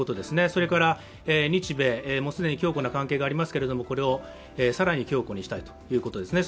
それから日米、既に強固な関係がありますがこれを更に強固にしたいということですね。